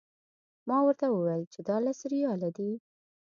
ما ورته وویل چې دا لس ریاله دي.